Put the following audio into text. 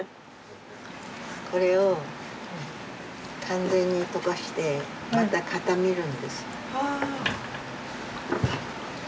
これを完全に溶かしてまた固めるんです。